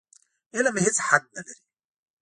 علم هېڅ حد نه لري.